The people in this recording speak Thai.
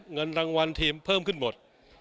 เงินรางวัลทีมเพิ่มขึ้นหมด